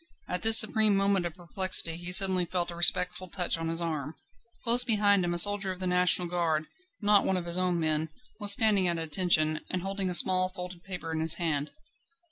At this supreme moment of perplexity he suddenly felt a respectful touch on his arm. Close behind him a soldier of the National Guard not one of his own men was standing at attention, and holding a small, folded paper in his hand.